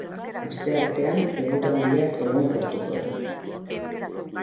Asteartean eguraldia egonkortuko da.